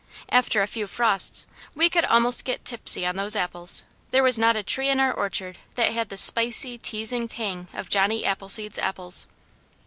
After a few frosts, we could almost get tipsy on those apples; there was not a tree in our orchard that had the spicy, teasing tang of Johnny Appleseed's apples.